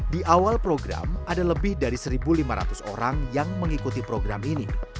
di awal program ada lebih dari satu lima ratus orang yang mengikuti program ini